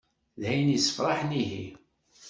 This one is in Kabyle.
D ayen issefṛaḥen ihi.